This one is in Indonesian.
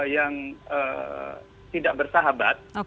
yang tidak bersahabat